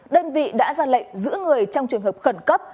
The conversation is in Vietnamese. đơn vị đã ra lệnh giữ người trong trường hợp khẩn cấp